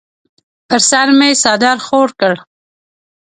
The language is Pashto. پر سر مې څادر خور کړ.